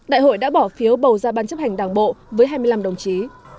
đại hội đã bỏ phiếu bầu ra ban chấp hành đảng bộ với hai mươi năm đồng chí